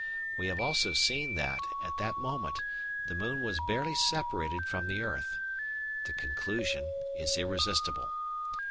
We have also seen that, at that moment, the moon was barely separated from the earth. The conclusion is irresistible.